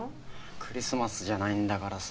クリスマスじゃないんだからさ。